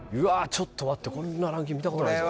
ちょっと待ってこんなランキング見たことないぞ